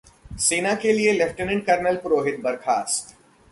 सेना ने किया लेफ्टिनेंट कर्नल पुरोहित बर्खास्त